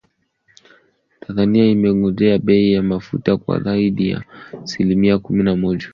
Tanzania imeongeza bei ya mafuta kwa zaidi ya asilimia kumi na moja kwa bidhaa ya petroli na dizeli, na asilimia ishirini na moja kwa mafuta ya taa